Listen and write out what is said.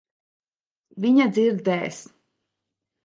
Viņa dzirdēs.